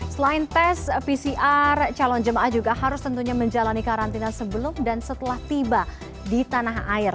selain tes pcr calon jemaah juga harus tentunya menjalani karantina sebelum dan setelah tiba di tanah air